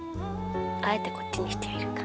あえてこっちにしてみるか。